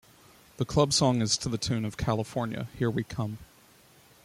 The club song is to the tune of "California Here We Come".